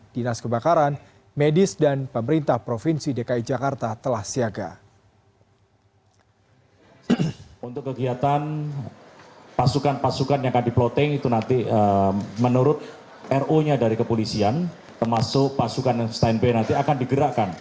dinas kebakaran medis dan pemerintah provinsi dki jakarta telah siaga